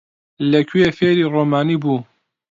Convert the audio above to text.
لەکوێ فێری ڕۆمانی بوو؟